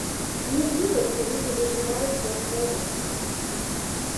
Не дзіва, што людзі выжываюць, як могуць.